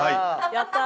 やったー！